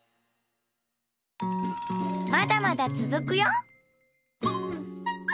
まだまだつづくよ！